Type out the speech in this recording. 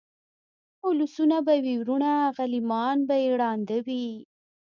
اولسونه به وي وروڼه غلیمان به یې ړانده وي